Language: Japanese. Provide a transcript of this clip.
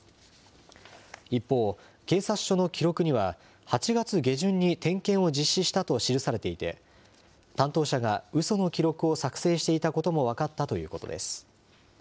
一方、警察署の記録には、８月下旬に点検を実施したと記されていて、担当者がうその記録を作成していたことも分かったということです。